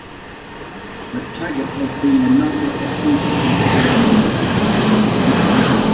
McTaggart has been a number of people in the first series.